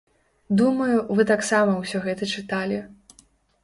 Думаю, вы таксама ўсё гэта чыталі.